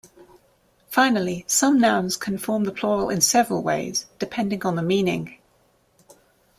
Finally, some nouns can form the plural in several ways, depending on the meaning.